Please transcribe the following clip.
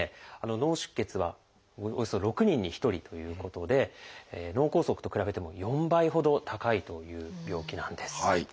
脳出血はおよそ６人に１人ということで脳梗塞と比べても４倍ほど高いという病気なんです。